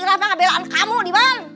rampah kebelaan kamu diman